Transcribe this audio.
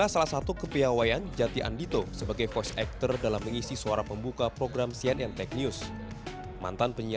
sampai jumpa di video selanjutnya